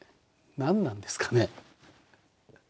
何なんですかね？